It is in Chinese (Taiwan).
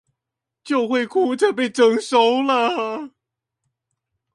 就會哭著被徵收了